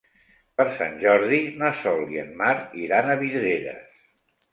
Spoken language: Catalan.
Per Sant Jordi na Sol i en Marc iran a Vidreres.